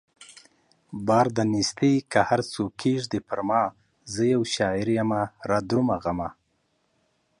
بار د نيستۍ که هر څو کښېږدې پرما زه يو شاعر يمه رادرومه غمه